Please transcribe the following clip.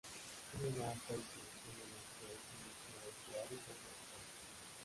Tiene una amplia distribución en el sureste y suroeste árido de Australia.